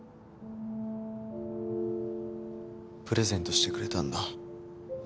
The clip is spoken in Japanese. プレゼントしてくれたんだ。